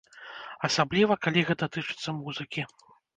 Асабліва, калі гэта тычыцца музыкі.